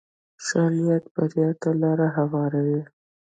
ښه نیت بریا ته لاره هواروي.